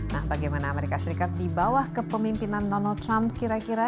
nah bagaimana amerika serikat di bawah kepemimpinan donald trump kira kira